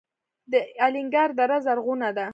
د الینګار دره زرغونه ده